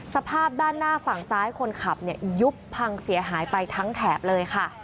สภาพด้านหน้าฝั่งซ้ายคนขับเนี่ยยุบพังเสียหายไปทั้งแถบเลยค่ะ